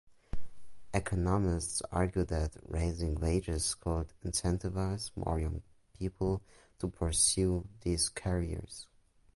Economists argue that raising wages could incentivize more young people to pursue these careers.